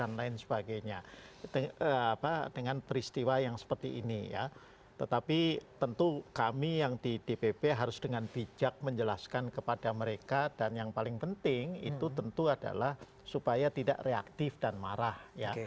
dan lain sebagainya dengan peristiwa yang seperti ini ya tetapi tentu kami yang di dpp harus dengan bijak menjelaskan kepada mereka dan yang paling penting itu tentu adalah supaya tidak reaktif dan marah ya